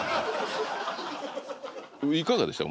いかがでした？